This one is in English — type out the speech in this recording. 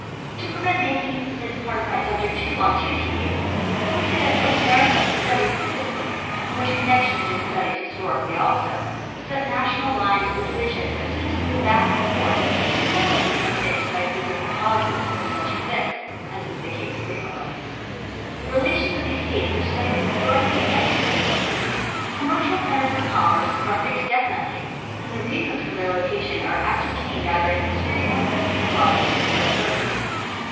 To prevent making this part of my sub ject too long and too tedious I will say that North America is studied physically, in which connection it is studied historically also, so that national lines or divisions are seen to move back and Study of the United States. 149 forth and finally become fixed by physical causes when such exist, as is the case frequently. The relations of these States are studied historically and politically. Commercial centers of commerce are fixed definitely, and the reasons for their locations are ascertained either in history or in physical causes, or in both.